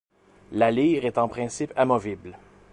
La lyre est en principe amovible.